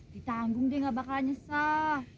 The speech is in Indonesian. ditanggung deh gak bakalan nyesel